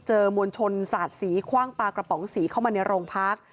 มวลชนสาดสีคว่างปลากระป๋องสีเข้ามาในโรงพัก